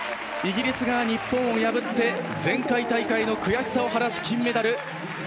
イギリスが日本を破って前回大会の悔しさを晴らす金メダル。